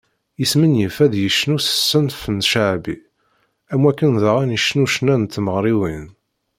Yesmenyif ad yecnu s ṣṣenf n cceɛbi, am wakken daɣen icennu ccna n tmeɣriwin.